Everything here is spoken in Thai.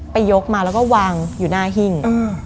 ยกมาแล้วก็วางอยู่หน้าหิ้ง